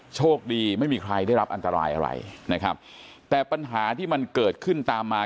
โชคดีไม่มีใครได้รับอันตรายอะไรนะครับแต่ปัญหาที่มันเกิดขึ้นตามมา